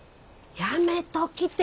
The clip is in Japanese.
やめときて。